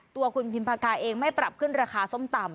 ตัวคุณพิมพากาเองไม่ปรับขึ้นราคาส้มตำ